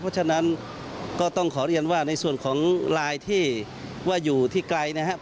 เพราะฉะนั้นก็ต้องขอเรียนว่าในส่วนของไลน์ที่ว่าอยู่ที่ไกลนะครับ